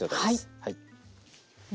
はい。